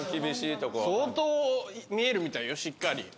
相当見えるみたいよしっかり。